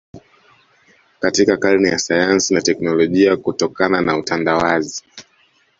Katika karne ya sayansi na teknolojia kutokana na utandawazi